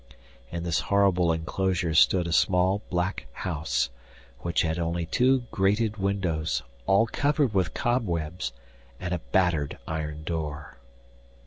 In this horrible enclosure stood a small black house, which had only two grated windows, all covered with cobwebs, and a battered iron door.